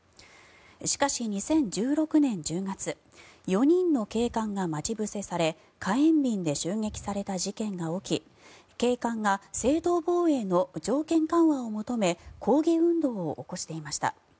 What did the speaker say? しかし、２０１６年１０月４人の警官が待ち伏せされ火炎瓶で襲撃された事件が起き警官が正当防衛の条件緩和を求め抗議運動を起こしていました。